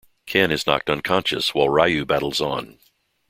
Ken is knocked unconscious while Ryu battles on.